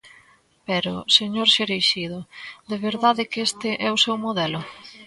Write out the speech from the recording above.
Pero, señor Cereixido, ¿de verdade que este é o seu modelo?